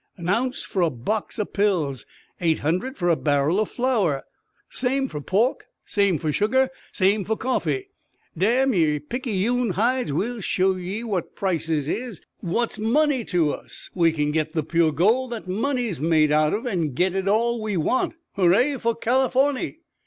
A ounce for a box o' pills! Eight hundred fer a barrel o' flour! Same fer pork, same fer sugar, same fer coffee! Damn yer picayune hides, we'll show ye what prices is! What's money to us? We can git the pure gold that money's made out of, an' git it all we want! Hooray fer Californy!"